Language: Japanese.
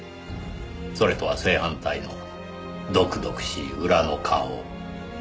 それとは正反対の毒々しい裏の顔。